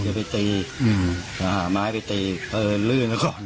จะไปตีอืมหาไม้ไปตีเออลื่นแล้วก่อน